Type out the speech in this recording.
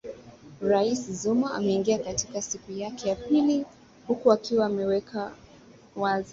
rais zuma ameingia katika siku yake ya pili huku akiwa ameweka wazi